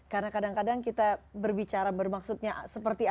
karena kadang kadang kita berbicara bermaksudnya seperti apa